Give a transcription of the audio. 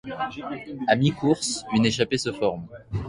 À mi-course, une échappée se forme.